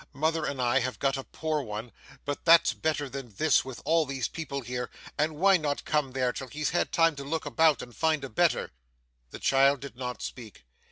Mother and I have got a poor one, but that's better than this with all these people here; and why not come there, till he's had time to look about, and find a better!' The child did not speak.